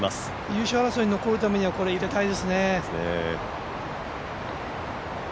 優勝争いに残るためには、ここ入れたいですね。